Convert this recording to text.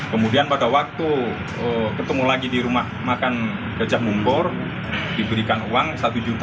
kemudian pada waktu ketemu lagi di rumah makan kecap mumpor diberikan uang rp satu